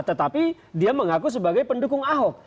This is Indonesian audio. tetapi dia mengaku sebagai pendukung ahok